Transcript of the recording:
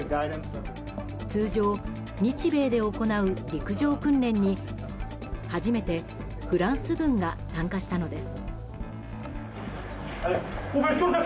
通常、日米で行う陸上訓練に初めてフランス軍が参加したのです。